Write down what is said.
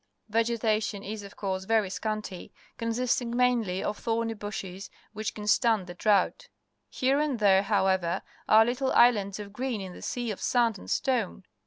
Vegetation is, of course, very scanty, consisting mainly of thorny bushes which can stand the drought. Here and there, however, are little islands of green in the sea of sand and stone.